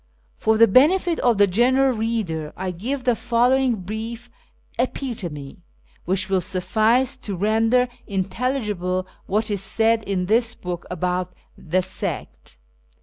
For the benefit of the general reader, I give the following brief epitome, which will suffice to render intelligible what is said in this book about the sect.